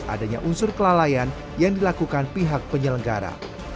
adanya unsur kelalaian yang dilakukan pihak penyelenggara